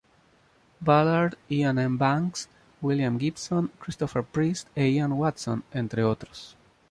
Ballard, Iain M. Banks, William Gibson, Christopher Priest e Ian Watson, entre otros.